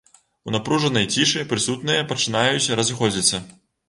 У напружанай цішы прысутныя пачынаюць разыходзіцца.